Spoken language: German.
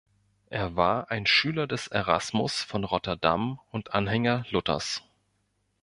Er war ein Schüler des Erasmus von Rotterdam und Anhänger Luthers.